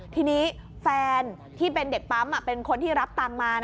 ทีนี้แฟนที่เป็นเด็กปั๊มเป็นคนที่รับตังค์มา